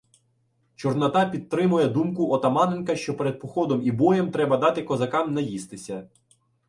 Чорнота підтримує думку Отаманенка, що перед походом і боєм треба дати козакам наїстися.